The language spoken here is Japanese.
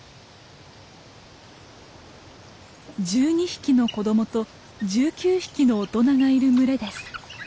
１２匹の子供と１９匹の大人がいる群れです。